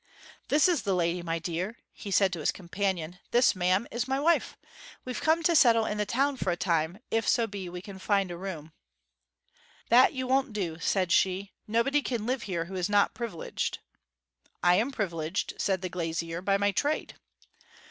'This is the lady, my dear,' he said to his companion. 'This, ma'am, is my wife. We've come to settle in the town for a time, if so be we can find room.' 'That you won't do,' said she. 'Nobody can live here who is not privileged.' 'I am privileged,' said the glazier, 'by my trade.'